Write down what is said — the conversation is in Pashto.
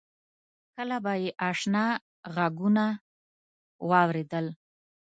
کله به مې آشنا غږونه واورېدل.